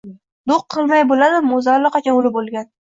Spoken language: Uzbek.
— Do‘q qilmay bo‘ladimi? O’zi, allaqachon o‘lib bo‘lgan.